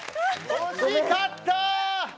惜しかった。